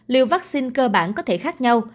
liệu vaccine cơ bản có thể khác nhau